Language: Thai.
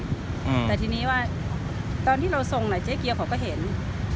อืมแต่ทีนี้ว่าตอนที่เราทรงน่ะเจ๊เกียวเขาก็เห็น